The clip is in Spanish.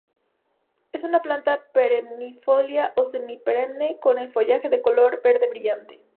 Es una planta perennifolia o semi-perenne con el follaje de color verde brillante.